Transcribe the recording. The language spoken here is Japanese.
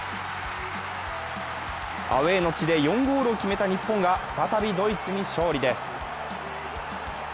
アウェーの地で４ゴールを決めた日本が再びドイツに勝利です。